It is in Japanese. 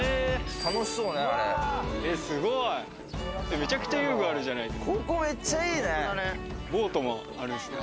めちゃくちゃ遊具あるじゃないですか。